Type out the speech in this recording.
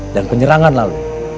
dan penyerangan lalu